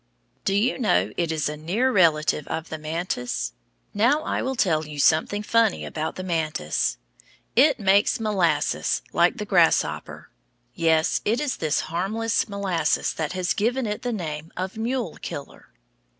Do you know it is a near relative of the mantis? Now, I will tell you something funny about the mantis. It makes "molasses" like the grasshopper. Yes, it is this harmless "molasses" that has given it the name of "mule killer."